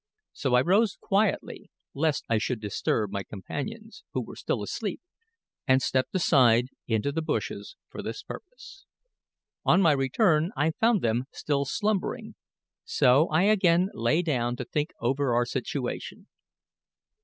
So I rose quietly lest I should disturb my companions, who were still asleep, and stepped aside into the bushes for this purpose. On my return I found them still slumbering, so I again lay down to think over our situation.